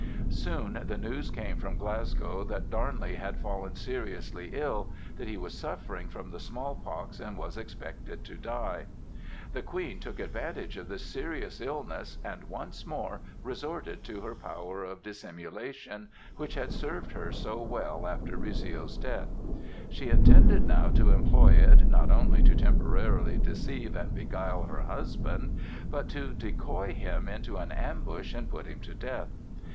Soon the news came from Glasgow that Darnley had fallen seriously ill, that he was suffering from the small pox and was expected to die. The Queen took advantage of this serious illness and once more resorted to her power of dissimulation, which had served her so well after Rizzio's death. She intended now to employ it not only to temporarily deceive and beguile her husband, but to decoy him into an ambush and put him to death.